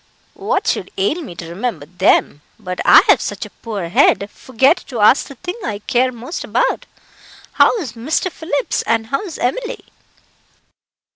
"What should ail me to remember them? But I have such a poor head, I forget to ask the thing I care most about. How's Mr. Phillips, and how's Emily?"